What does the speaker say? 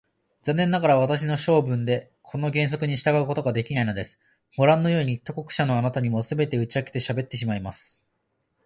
残念ながら、私は性分でこの原則に従うことができないのです。ごらんのように、他国者のあなたにも、すべて打ち明けてしゃべってしまいます。